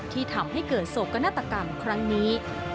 ที่ทำให้เกิดโศกนาฏกรรมครั้งนี้